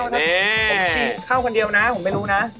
ผมชี้เข้ากันเดียวนะผมไม่รู้นะ